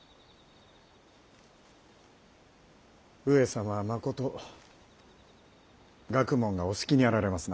上様はまこと学問がお好きにあられますな。